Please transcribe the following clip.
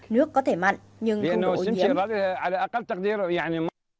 nước có thể mặn nhưng không có ôn nhấm